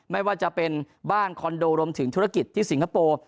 ไม่ว่าจะเป็นบ้านคอนโดรวมถึงธุรกิจที่สิงคโปร์